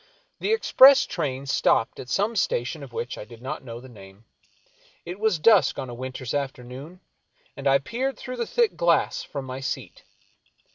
The express train stopped at some station of which I did not know the name. It was dusk on a winter's afternoon, and I peered through the thick glass .from my seat.